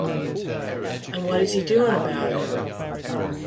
And what is he doing about it?